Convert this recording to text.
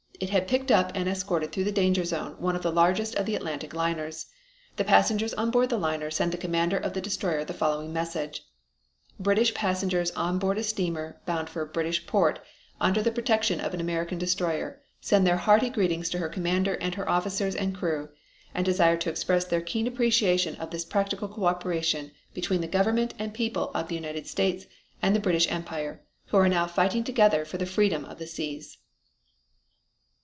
It had picked up and escorted through the danger zone one of the largest of the Atlantic liners. The passengers on board the liner sent the commander of the destroyer the following message: British passengers on board a steamer, bound for a British port, under the protection of an American destroyer, send their hearty greetings to her commander and her officers and crew, and desire to express their keen appreciation of this practical co operation between the government and people of the United States and the British Empire, who are now fighting together for the freedom of the seas.